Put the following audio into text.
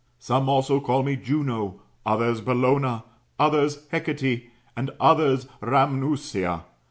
Some also call me Juno, others Bellona, others Hecate, and others Rhamnusia.